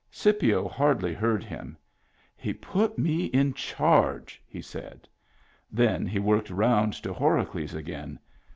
Scipio hardly heard him. "He put me in charge," he said. Then he worked round to Horacles again.